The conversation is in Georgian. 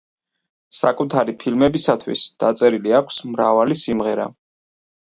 საკუთარი ფილმებისათვის დაწერილი აქვს მრავალი სიმღერა.